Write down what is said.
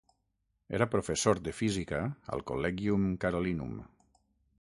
Era professor de física al Collegium Carolinum.